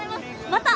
また！